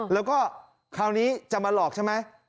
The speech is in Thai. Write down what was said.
แล้วก็คราวนี้จะมาหลอกใช่ไหม